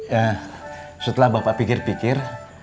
ya setelah bapak pikir pikir